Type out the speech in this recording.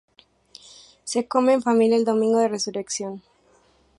Se come en familia el Domingo de Resurrección.